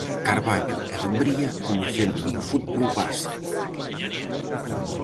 Carballo e Dumbría como centro do fútbol base.